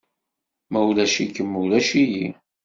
Ma ulac-ikem, ulac-iyi.